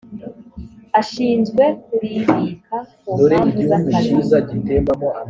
ashinzwe kuribika ku mpamvu z akazi